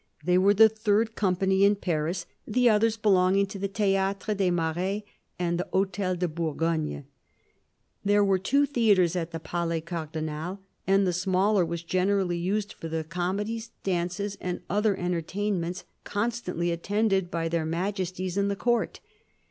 They were the third company in Paris, the others belonging to the Theatre des Marais and the H6tel de Bourgogne. There were two theatres at the Palais Cardinal, and the smaller was generally used for the comedies, dances, and other enter tainments constantly attended by their Majesties and the Court.